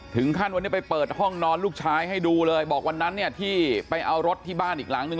ถึงขั้นวันนี้ไปเปิดห้องนอนลูกชายให้ดูเลยบอกวันนั้นเนี่ยที่ไปเอารถที่บ้านอีกหลังนึง